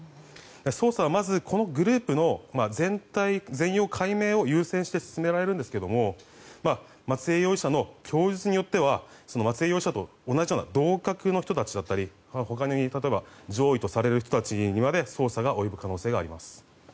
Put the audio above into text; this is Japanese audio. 捜査は、まずこのグループの全容解明を優先して進められるんですが松江容疑者の供述によっては松江容疑者と同じような同格の人たちだったり他に、例えば上位とされる人たちにまで捜査が及ぶ可能性があります。